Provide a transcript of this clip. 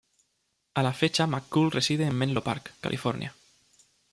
A la fecha McCool reside en Menlo Park, California.